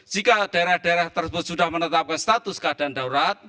jika daerah daerah tersebut sudah menetapkan status keadaan daurat